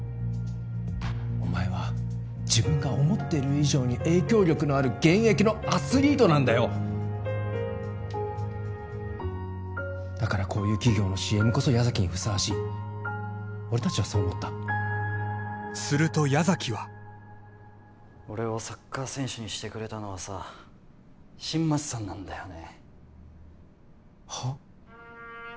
お前は自分が思ってる以上に影響力のある現役のアスリートなんだよだからこういう企業のＣＭこそ矢崎にふさわしい俺達はそう思ったすると矢崎は俺をサッカー選手にしてくれたのはさ新町さんなんだよねはっ？